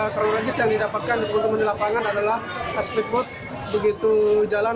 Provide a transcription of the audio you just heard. kronologis yang didapatkan di lapangan adalah speedboat begitu jalan